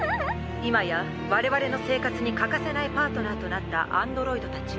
今や我々の生活に欠かせないパートナーとなったアンドロイドたち。